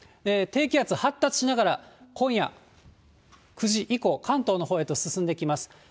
低気圧発達しながら、今夜９時以降、関東のほうへと進んできます。